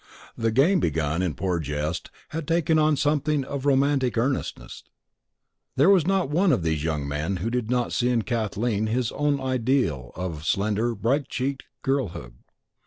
The game, begun in pure jest, had taken on something of romantic earnest: there was not one of these young men who did not see in Kathleen his own ideal of slender, bright cheeked girlhood.